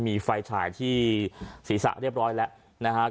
มีไฟฉายที่ศีรษะเรียบร้อยแล้วนะครับ